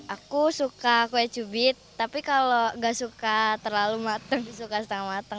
aku suka kue cubit tapi kalau gak suka terlalu mateng suka setengah matang